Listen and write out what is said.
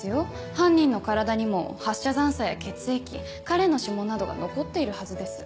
犯人の体にも発射残渣や血液彼の指紋などが残っているはずです。